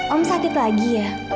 om sakit lagi ya